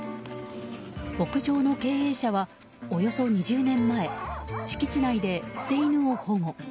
牧場の経営者は、およそ２０年前敷地内で捨て犬を保護。